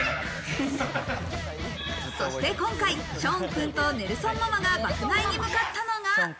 そして今回、ショーンくんとネルソンママが爆買いに向かったのが。